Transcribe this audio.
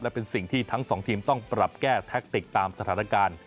และเป็นสิ่งที่ทั้งสองทีมต้องปรับแก้แท็กติกตามสถานการณ์